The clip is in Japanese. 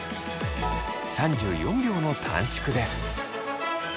３４秒の短縮です。